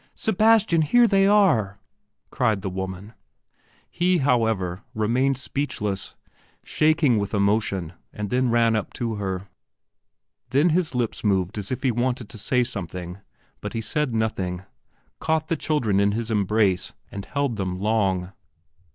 "Sebastian, here they are!" cried the woman. He, however, remained speechless, shaking with emotion, and then ran up to her. Then his lips moved as if he wanted to say something, but he said nothing, caught the children in his embrace and held them long.